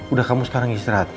udah kamu sekarang istirahat